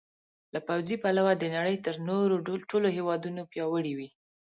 له پوځي پلوه د نړۍ تر نورو ټولو هېوادونو پیاوړي وي.